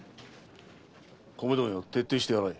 米問屋を徹底して洗え。